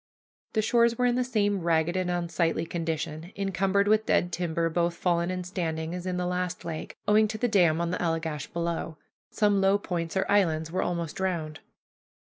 The shores were in the same ragged and unsightly condition, encumbered with dead timber, both fallen and standing, as in the last lake, owing to the dam on the Allegash below. Some low points or islands were almost drowned.